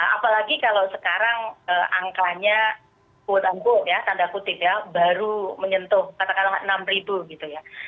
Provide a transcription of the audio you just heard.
apalagi kalau sekarang angkanya quote unquote ya tanda kutip ya baru menyentuh katakanlah enam ribu gitu ya